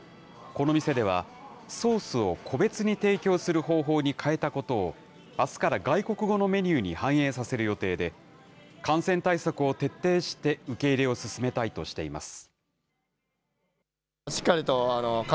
この店では、ソースを個別に提供する方法に変えたことを、あすから外国語のメニューに反映させる予定で、感染対策を徹底して受け入れを進めたいとしています。